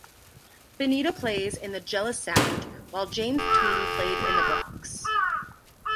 Benito plays in The Jealous Sound while James Tweedy played in The Bronx.